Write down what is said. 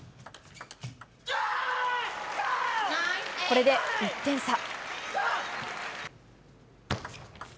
これで１点差。